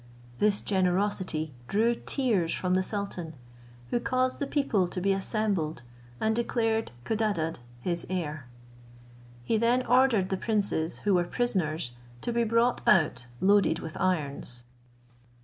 This generosity drew tears from the sultan, who caused the people to be assembled and declared Codadad his heir. He then ordered the princes, who were prisoners, to be brought out loaded with irons.